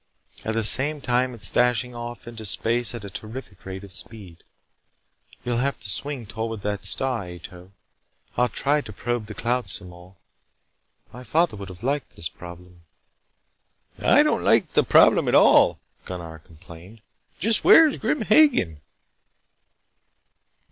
At the same time it's dashing off into space at a terrific rate of speed. You'll have to swing toward that star, Ato. I'll try to probe the cloud some more. My father would have liked this problem " "I don't like the problem at all " Gunnar complained. "Just where is Grim Hagen?"